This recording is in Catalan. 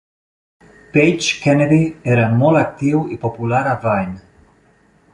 Page Kennedy era molt actiu i popular a Vine.